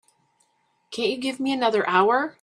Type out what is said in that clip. Can't you give me another hour?